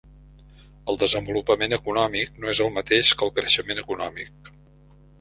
El desenvolupament econòmic no és el mateix que el creixement econòmic.